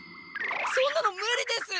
そんなのムリです！